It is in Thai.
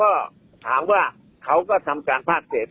เอาล่ะก็ถามว่าเขาก็ทำการภาคเกต